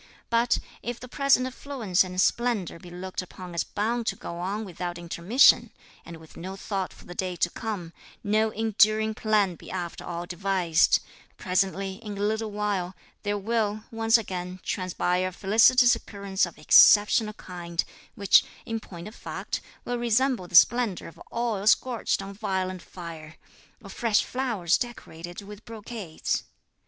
But, if the present affluence and splendour be looked upon as bound to go on without intermission, and with no thought for the day to come, no enduring plan be after all devised, presently, in a little while, there will, once again, transpire a felicitous occurrence of exceptional kind, which, in point of fact, will resemble the splendour of oil scorched on a violent fire, or fresh flowers decorated with brocades.